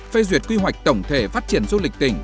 phê duyệt quy hoạch tổng thể phát triển du lịch tỉnh